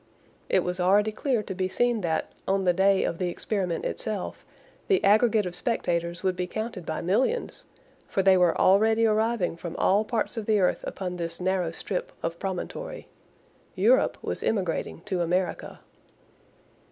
It was already clear to be seen that, on the day of the experiment itself, the aggregate of spectators would be counted by millions; for they were already arriving from all parts of the earth upon this narrow strip of promontory. Europe was emigrating to America.